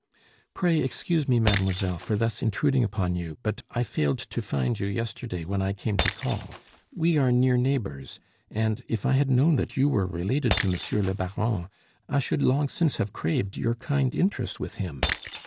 "Pray excuse me, mademoiselle, for thus intruding upon you, but I failed to find you yesterday when I came to call; we are near neighbors; and if I had known that you were related to Monsieur le Baron, I should long since have craved your kind interest with him.